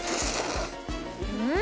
うん！